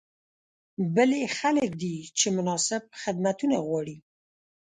بل یې خلک دي چې مناسب خدمتونه غواړي.